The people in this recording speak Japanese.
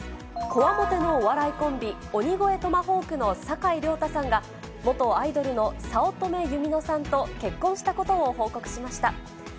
こわもてのお笑いコンビ、鬼越トマホークの坂井良多さんが、元アイドルの早乙女ゆみのさんと結婚したことを報告しました。